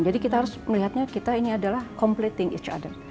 jadi kita harus melihatnya kita ini adalah completing each other